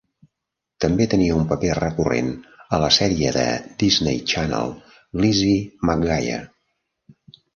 També tenia un paper recurrent a la sèrie de Disney Channel "Lizzie McGuire".